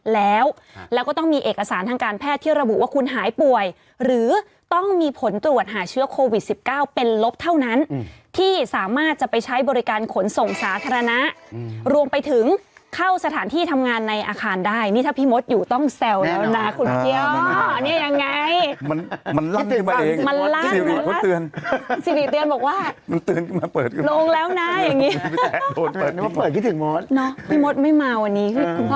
แล้วก็ต้องมีเอกสารทางการแพทย์ที่ระบุว่าคุณหายป่วยหรือต้องมีผลตรวจหาเชื้อโควิด๑๙เป็นลบเท่านั้นที่สามารถจะไปใช้บริการขนส่งสาธารณะรวมไปถึงเข้าสถานที่ทำงานในอาคารได้นี่ถ้าพี่มดอยู่ต้องแซวแล้วนะคุณเจี๊ยนี่ยังไงมันมันลอกได้บ้างมันล่าสุดลงแล้วนะอย่างนี้